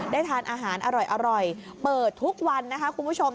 ทานอาหารอร่อยเปิดทุกวันนะคะคุณผู้ชม